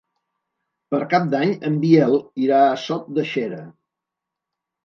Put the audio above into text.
Per Cap d'Any en Biel irà a Sot de Xera.